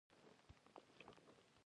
بې حوصلګي بد دی.